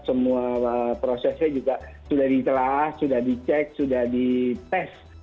semua prosesnya juga sudah ditelah sudah dicek sudah dites